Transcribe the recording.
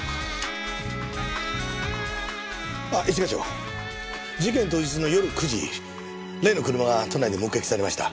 一課長事件当日の夜９時例の車が都内で目撃されました。